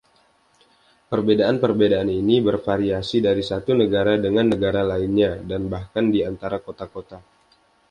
Perbedaan-perbedaan ini bervariasi dari satu negara dengan negara lainnya, dan bahkan di antara kota-kota.